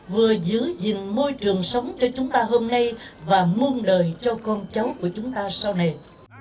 vừa giữ gìn môi trường sống cho chúng ta hôm nay và muôn đời cho con cháu của chúng ta sau này